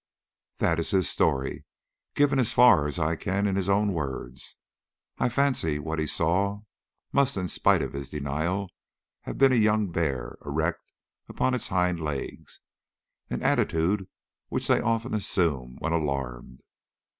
That is his story, given as far as I can in his own words. I fancy what he saw must, in spite of his denial, have been a young bear erect upon its hind legs, an attitude which they often assume when alarmed.